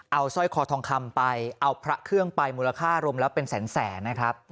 เอาสร้อยคอทองคำไปเอาพระเครื่องไปมูลค่ารวมแล้วเป็นแสนนะครับ